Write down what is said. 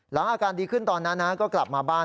อาการดีขึ้นตอนนั้นก็กลับมาบ้าน